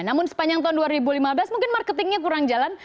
namun sepanjang tahun dua ribu lima belas mungkin marketingnya kurang jalan